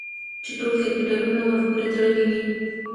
چې ټول کرکټرونه ورپورې تړلي وي